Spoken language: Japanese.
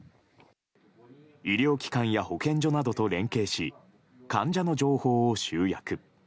医療機関や保健所などと連携し患者の情報を集約。